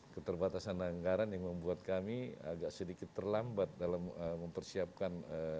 keterbatasan anggaran yang membuat kami agak sedikit terlambat dalam mempersiapkan